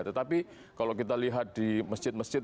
tetapi kalau kita lihat di masjid masjid